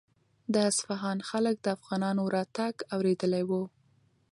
د اصفهان خلک د افغانانو راتګ اورېدلی و.